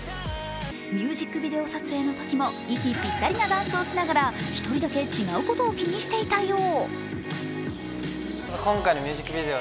ミュージックビデオ撮影のときも息ぴったりなダンスをしながら１人だけ違うことを気にしていたよう。